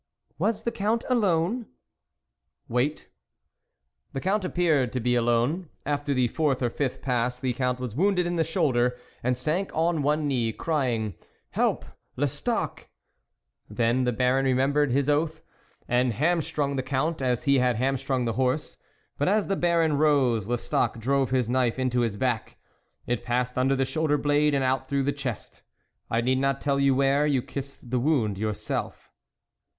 " Was the Count alone ?"" Wait ... the Count appeared to be 94 THE WOLF LEADER alone ; after the fourth or fifth pass the Count was wounded in the shoulder, and sank on one knee, crying :' help, Les tocq !' Then the Baron remembered his oath, and hamstrung the Count as he had hamstrung the horse ; but as the Baron rose, Lestocq drove his knife into his back ; it passed under the shoulder blade and out through the chest. I need not tell you where ... you kissed the wound yourself."